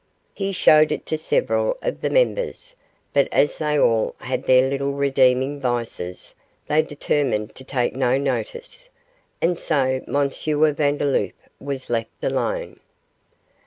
He showed it to several of the members, but as they all had their little redeeming vices, they determined to take no notice, and so M. Vandeloup was left alone.